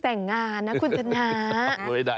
แต่งงานนะคุณชนะ